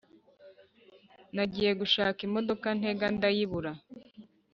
nagiye gushaka imidoka ntega ndayibura